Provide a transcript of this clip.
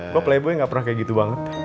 gue playboy nggak pernah kayak gitu banget